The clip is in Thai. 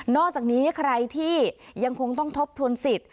อกจากนี้ใครที่ยังคงต้องทบทวนสิทธิ